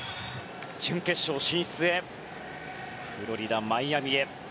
準決勝進出へフロリダ・マイアミへ。